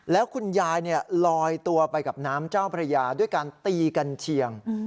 แล้วคุณยายลอยตัวไปกับน้ำเจ้าพระยาด้วยการตีกันเชียง